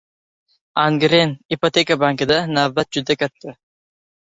Angren Ipoteka bankida navbat juda katta.